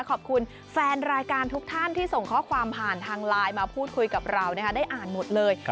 ขอบคุณแฟนรายการทุกท่านที่ส่งข้อความผ่านทางไลน์มาพูดคุยกับเราได้อ่านหมดเลย